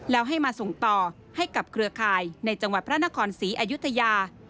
แล้วให้มาส่งต่อให้กับเครือข่ายในจังหวัดพระนครศรีอยุธยา